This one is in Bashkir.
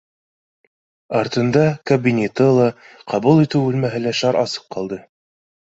Артында ка- оинеты ла, ҡабул итеү бүлмәһе лә шар асыҡ ҡалды